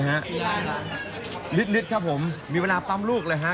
นิดนิดครับผมมีเวลาปั๊มลูกเลยฮะ